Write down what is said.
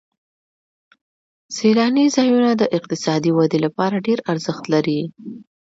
سیلاني ځایونه د اقتصادي ودې لپاره ډېر ارزښت لري.